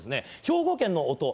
兵庫県の音